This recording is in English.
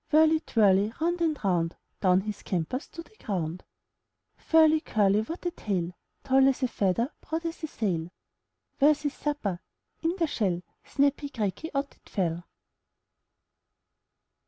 Whirly, twirly, Round and round, Down he scampers To the ground. HOUSE Furly, curly, What a tail! Tall as a feather, Broad as a sail! Where's his supper? In the shell, Snappy, cracky, Out it fell.